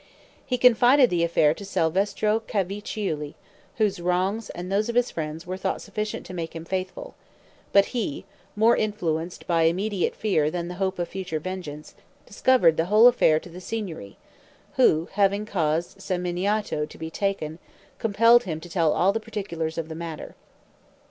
He confided the affair to Salvestro Cavicciulli, whose wrongs and those of his friends were thought sufficient to make him faithful; but he, more influenced by immediate fear than the hope of future vengeance, discovered the whole affair to the Signory, who, having caused Samminiato to be taken, compelled him to tell all the particulars of the matter.